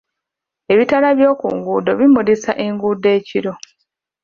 Ebitaala by'oku nguudo bimulisa enguudo ekiro